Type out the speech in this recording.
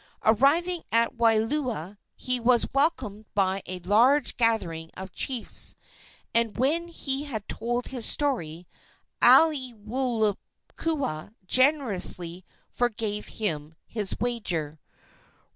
Arriving at Wailua, he was welcomed by a large gathering of chiefs, and when he had told his story Aiwohikupua generously forgave him his wager.